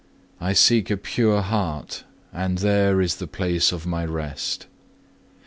I seek a pure heart, and there is the place of My rest.